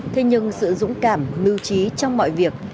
thế nhưng sự dũng cảm mưu trí trong mọi việc